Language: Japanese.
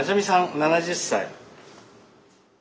７０歳。